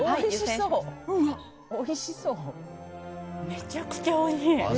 めちゃくちゃおいしい！